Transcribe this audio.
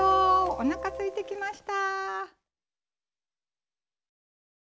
おなかすいてきました。